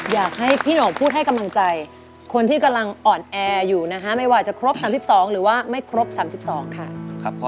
อยากให้พี่หน่งพูดให้กำลังใจคนที่กำลังอ่อนแออยู่นะคะไม่ว่าจะครบ๓๒หรือว่าไม่ครบ๓๒ค่ะ